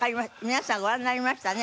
皆さんご覧になりましたね。